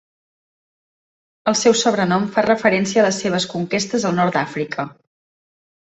El seu sobrenom fa referència a les seves conquestes al nord d'Àfrica.